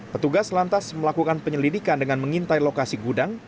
petugas lantas melakukan penyelidikan dengan mengintai lokasi gudang